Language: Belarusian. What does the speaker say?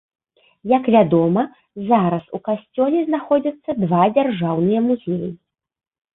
Як вядома, зараз у касцёле знаходзяцца два дзяржаўныя музеі.